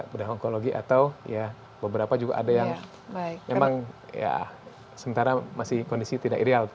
bedah onkologi atau ya beberapa juga ada yang memang ya sementara masih kondisi tidak ideal